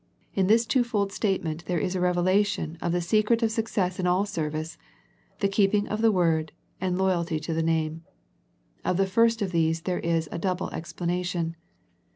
In this two fold statement there is a .revelation of the se cret of success in all service, the keeping of the word, and loyalty to the name. Of the first of these there is a double explanation.